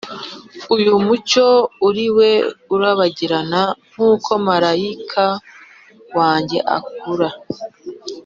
uyu mucyo muri we urabagirana uko marayika wanjye akura.